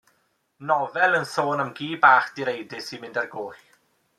Nofel yn sôn am gi bach direidus sy'n mynd ar goll.